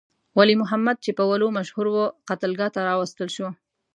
ولی محمد چې په ولو مشهور وو، قتلګاه ته راوستل شو.